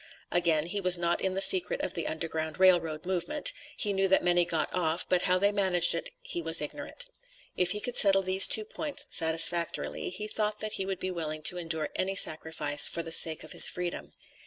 Again, he was not in the secret of the Underground Rail Road movement; he knew that many got off, but how they managed it he was ignorant. If he could settle these two points satisfactorily, he thought that he would be willing to endure any sacrifice for the sake of his freedom.